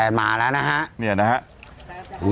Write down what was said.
แซนมาแล้วนะฮะ